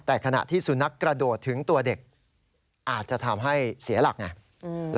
แต่ขณะที่สุนัขกระโดดถึงตัวเด็กอาจจะทำให้เสียหลักไง